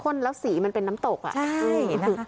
ข้นแล้วสีมันเป็นน้ำตกอะโอ้ย